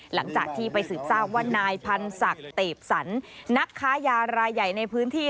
หลังจากที่ไปสืบทราบว่านายพันธ์ศักดิ์เตบสรรนักค้ายารายใหญ่ในพื้นที่